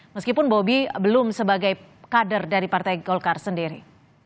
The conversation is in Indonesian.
meskipun bobi belum sebagai kader dari partai golkar sendiri